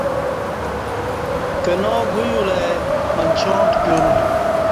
کنا گو یولہ ای منچاں ٹکیول